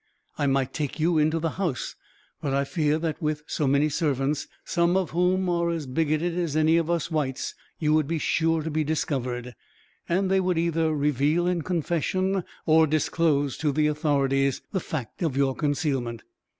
I might take you into the house, but I fear that with so many servants, some of whom are as bigoted as any of us whites, you would be sure to be discovered; and they would either reveal in confession, or disclose to the authorities, the fact of your concealment.